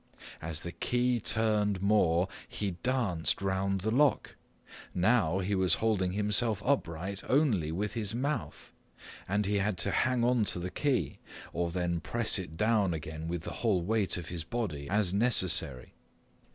As the key turned more, he danced around the lock. Now he was holding himself upright only with his mouth, and he had to hang onto the key or then press it down again with the whole weight of his body, as necessary.